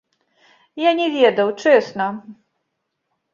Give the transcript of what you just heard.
Я не ведаў, чэсна.